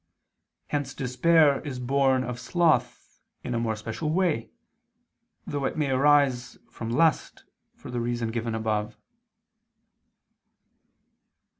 Hence despair is born of sloth in a more special way: though it may arise from lust, for the reason given above.